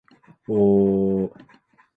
おおおおお